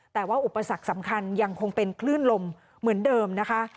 แต่ว่าอุปสรรคสำคัญยังคงเป็นคลื่นลมเหมือนเดิมนะคะ